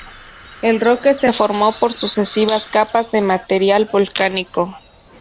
El Roque se formó por sucesivas capas de material volcánico.